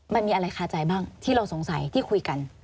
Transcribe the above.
มันมีอะไรคาใจบ้างที่เราสงสัยที่คุยกัน